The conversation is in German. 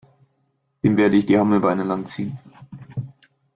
Dem werde ich die Hammelbeine lang ziehen!